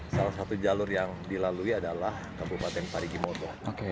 salah satu jalur yang dilalui adalah kabupaten parigi moto